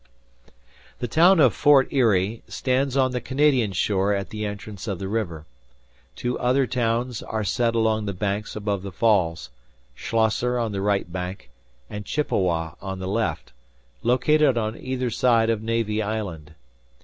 The town of Fort Erie stands on the Canadian shore at the entrance of the river. Two other towns are set along the banks above the falls, Schlosser on the right bank, and Chippewa on the left, located on either side of Navy Island.